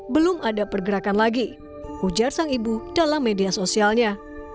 belum ada pergerakan lagi hujar sang ibu dalam media sosialnya